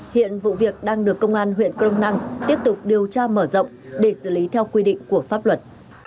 hiện vụ việc đang được công an huyện crong năng tiếp tục điều tra mở rộng để xử lý theo quy định của pháp luật